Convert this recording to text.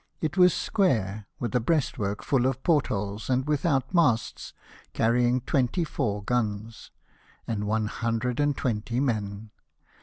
It was square, with a breast work full of port holes and without masts, carrying twenty four guns 236 LIFE OF NELSON. and one hundred and twenty men.